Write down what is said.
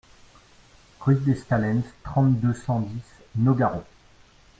Rue d'Estalens, trente-deux, cent dix Nogaro